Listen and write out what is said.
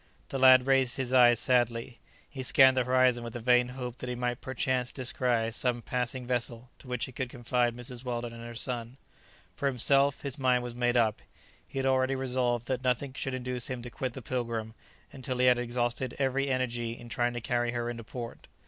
The lad raised his eyes sadly; he scanned the horizon with the vain hope that he might perchance descry some passing vessel to which he could confide Mrs. Weldon and her son; for himself, his mind was made up; he had already resolved that nothing should induce him to quit the "Pilgrim" until he had exhausted every energy in trying to carry her into port.